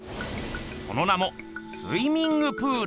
その名も「スイミング・プール」！